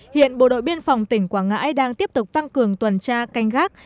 hiện bộ đội biên phòng tỉnh quảng ngãi đang tiếp tục tăng cường tuần tra canh gác